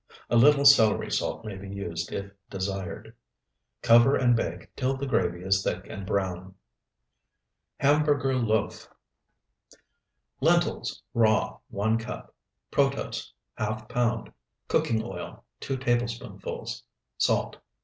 A little celery salt may be used if desired. Cover and bake till the gravy is thick and brown. HAMBURGER LOAF Lentils, raw, 1 cup. Protose, ½ pound. Cooking oil, 2 tablespoonfuls. Salt.